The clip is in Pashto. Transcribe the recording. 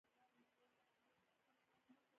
هوسونه په بغاوت او طغیان اوړي.